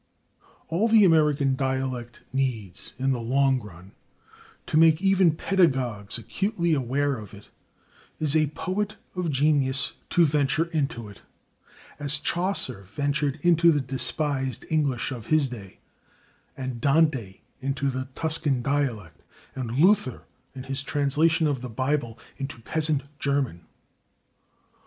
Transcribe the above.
All the American dialect needs, in the long run, to make even pedagogues acutely aware of it, is a poet of genius to venture into it, as Chaucer ventured into the despised English of his day, and Dante into the Tuscan dialect, and Luther, in his translation of the Bible, into peasant German.